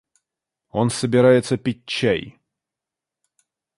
Он собирается пить чай!